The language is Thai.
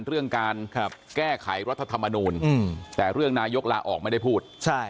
เรื่องการแก้ไขรัฐธรรมนูลแต่เรื่องนายกลาออกไม่ได้พูด